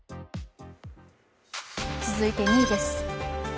続いて２位です。